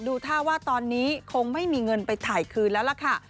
ดูท่าว่าตอนนี้คงไม่มีเงินไปถ่ายคืนแล้วล่ะค่ะ